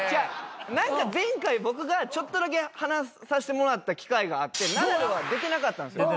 前回僕がちょっとだけ話させてもらった機会があってナダルは出てなかったんすよ。